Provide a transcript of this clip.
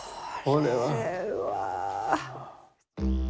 これは。